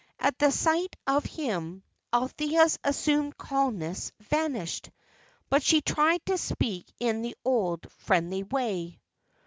At the sight of him, Althea's assumed calmness vanished; but she tried to speak in the old friendly way.